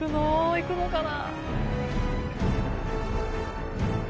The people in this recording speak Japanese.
行くのかな。